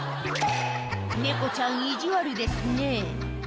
猫ちゃん意地悪ですね